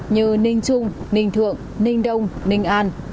như ninh trung ninh thượng ninh đông ninh an